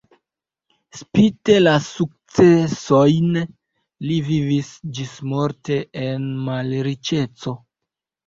Spite la sukcesojn li vivis ĝismorte en malriĉeco.